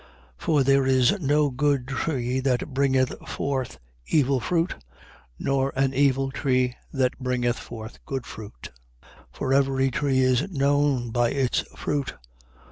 6:43. For there is no good tree that bringeth forth evil fruit: nor an evil tree that bringeth forth good fruit. 6:44. For every tree is known by its fruit.